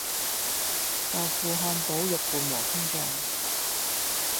豆腐漢堡肉伴和風醬